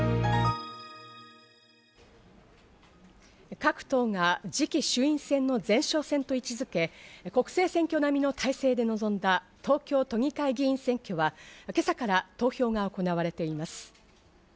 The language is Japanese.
各党が次期衆院選の前哨戦と位置付け、国政選挙並みの態勢で臨んだ東京都議会議員選挙は今朝から投票が行われています。